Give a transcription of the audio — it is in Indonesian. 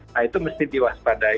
nah itu mesti diwaspadai